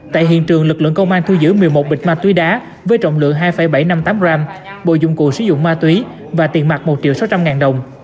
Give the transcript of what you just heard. tại hiện trường lực lượng công an thu giữ một mươi một bịch ma túy đá với trọng lượng hai bảy trăm năm mươi tám g bộ dụng cụ sử dụng ma túy và tiền mặt một triệu sáu trăm linh ngàn đồng